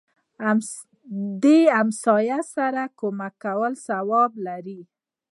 دهمسایه سره کومک کول ثواب لري